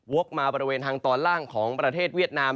กมาบริเวณทางตอนล่างของประเทศเวียดนาม